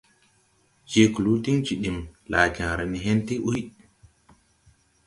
Je kluu din jidim, laa jããre ne hen ti ɓuy.